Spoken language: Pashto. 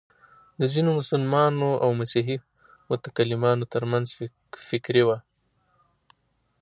د ځینو مسلمانو او مسیحي متکلمانو تر منځ فکري وه.